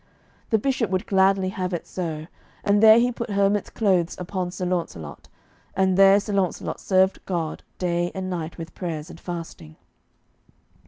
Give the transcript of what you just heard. The Bishop would gladly have it so, and there he put hermit's clothes upon Sir Launcelot, and there Sir Launcelot served God day and night with prayers and fasting.